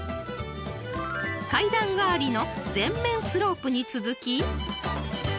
［階段代わりの全面スロープに続き］